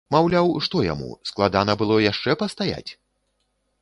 Маўляў, што яму, складана было яшчэ пастаяць?!